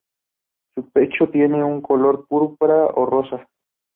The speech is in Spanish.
Su pecho tiene un color púrpura o rosa.